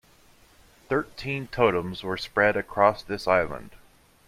Thirteen totems were spread across this island.